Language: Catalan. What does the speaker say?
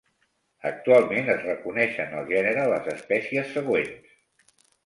Actualment es reconeixen al gènere les espècies següents.